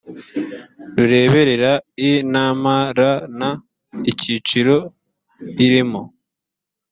rureberera inmr n icyiciro irimo